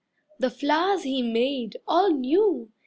The flowers he made All new!